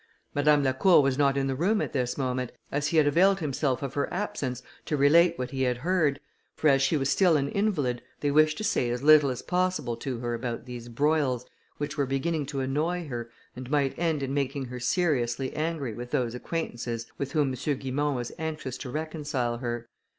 Madame Lacour was not in the room at this moment, as he had availed himself of her absence to relate what he had heard, for, as she was still an invalid, they wished to say as little as possible to her about these broils, which were beginning to annoy her, and might end in making her seriously angry with those acquaintances with whom M. Guimont was anxious to reconcile her.